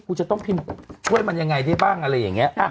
กูจะต้องพินด้วยมันยังไงดีบ้างอะไรอย่างเงี้ย